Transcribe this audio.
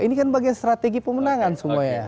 ini kan bagian strategi pemenangan semuanya